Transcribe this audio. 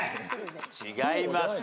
違います。